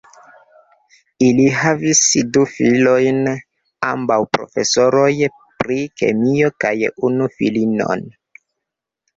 Ili havis du filojn, ambaŭ profesoroj pri kemio, kaj unu filinon.